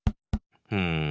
うん。